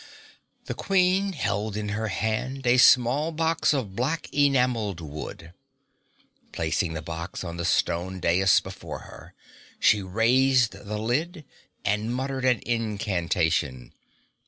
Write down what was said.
The Queen held in her hand a small box of black enameled wood. Placing the box on the stone dais before her, she raised the lid and muttered an incantation.